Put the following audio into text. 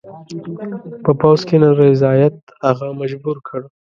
په پوځ کې نارضاییت هغه مجبور کړ.